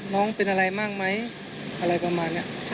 น้องเป็นอะไรบ้างไหมอะไรประมาณนี้